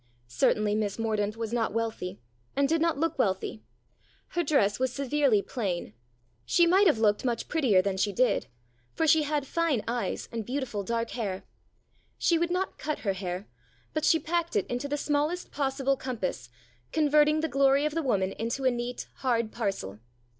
Certainly, Miss Mordaunt was not wealthy, and did not look wealthy. Her dress was severely plain. She might have looked much prettier than she did, for she had fine eyes and beautiful dark hair. She would not cut her hair, but she packed it into the smallest possible compass, converting the glory of the woman into a neat, hard parcel.